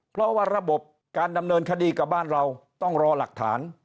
เพราะว่าระบบการดำเนินคดีกับบ้านเราต้องรอหลักฐาน